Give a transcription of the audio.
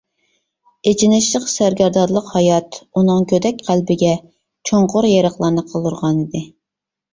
ئېچىنىشلىق سەرگەردانلىق ھايات ئۇنىڭ گۆدەك قەلبىگە چوڭقۇر يېرىقلارنى قالدۇرغانىدى.